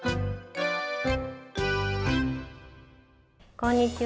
こんにちは。